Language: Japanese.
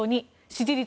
支持率